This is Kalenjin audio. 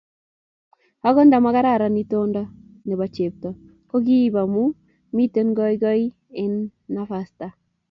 Okot nta makararan itintonde nebo chepto ko kikiib amu miten kokoi inen nafasta.